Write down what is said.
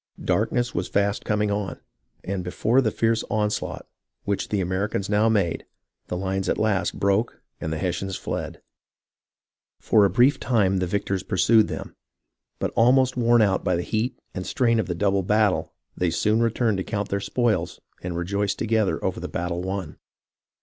Darkness was fast coming on, and before the fierce onslaught which the Americans now made the lines at last broke and the Hessians fled. For a brief time the victors pursued them, but almost worn out by the heat and strain of the double battle, they soon returned to count their spoils and to rejoice together over the battle won.